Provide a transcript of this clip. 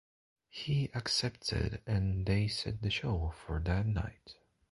He accepted, and they set the show for that night.